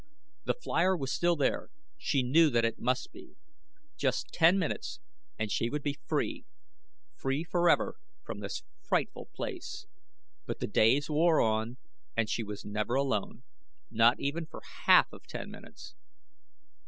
The flier was still there she knew that it must be. Just ten minutes and she would be free free forever from this frightful place; but the days wore on and she was never alone, not even for half of ten minutes.